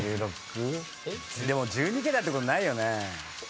でも１２ケタってことないよね。